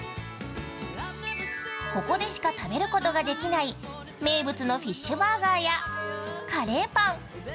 ここでしか食べることができない名物のフィッシュバーガーやカレーパン。